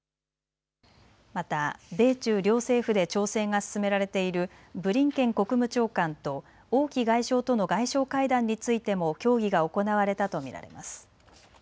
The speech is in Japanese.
また米中両政府で調整が進められているブリンケン国務長官と王毅外相との外相会談についても協議が行われたと見られます。